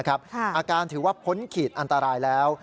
อาการถือว่าพ้นขีดอันตรายแล้ว